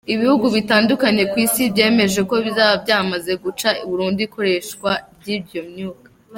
Ibihugu bitandukanye ku Isi byemeje ko bizaba byamaze guca burundu ikoreshwa ry’iyo myuka.